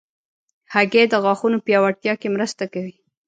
هګۍ د غاښونو پیاوړتیا کې مرسته کوي.